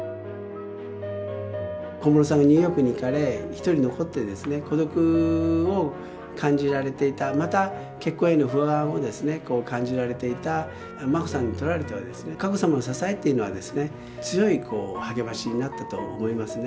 小室さんがニューヨークに行かれ、一人残って孤独を感じられていた、また、結婚への不安を感じられていた眞子さんにとられては、佳子さまの支えっていうのは、強い励ましになったと思いますね。